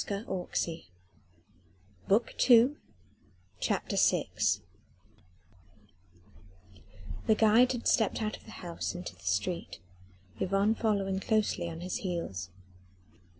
CHAPTER VI THE RAT MORT I The guide had stepped out of the house into the street, Yvonne following closely on his heels.